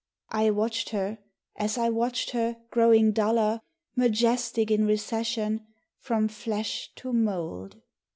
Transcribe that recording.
I watched her, as I watched her, growing duller, Majestic in recession From flesh to mould.